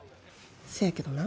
せやけどな